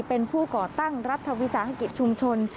เป็นผู้ก่อตั้งรัฐวิสาหกิจชุมชน